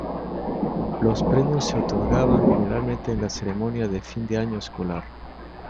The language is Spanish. Los premios se otorgaban generalmente en la ceremonia de fin de año escolar.